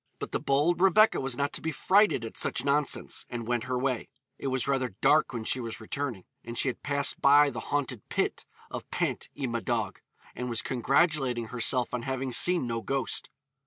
But the bold Rebecca was not to be frighted at such nonsense, and went her way. It was rather dark when she was returning, and she had passed by the haunted pit of Pant y Madog, and was congratulating herself on having seen no ghost.